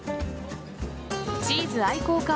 チーズ愛好家